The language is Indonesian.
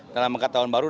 dalam angka tahun baru